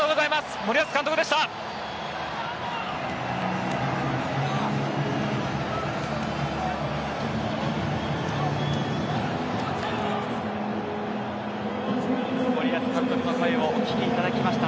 森保監督の声をお聞きいただきました。